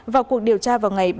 vào cuộc điều tra vào ngày